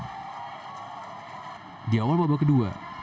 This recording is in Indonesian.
di awal babak kedua persib bandung mengubahnya